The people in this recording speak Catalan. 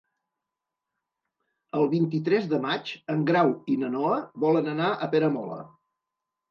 El vint-i-tres de maig en Grau i na Noa volen anar a Peramola.